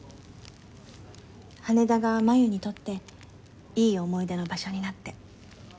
羽田が真夢にとっていい思い出の場所になって。